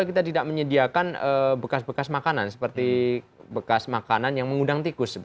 kita tidak menyediakan bekas bekas makanan seperti bekas makanan yang mengundang tikus